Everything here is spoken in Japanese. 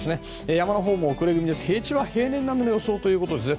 山のほうも遅れ気味ですが平地は平年並みの予想ということですね。